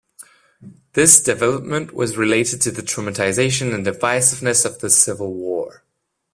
This development was related to the traumatization and divisiveness of the Civil War.